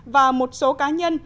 và một số cá nhân